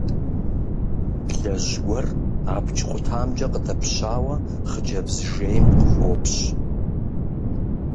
Блэжь гуэр абдж къутамкӀэ къыдэпщауэ хъыджэбз жейм къыхуопщ.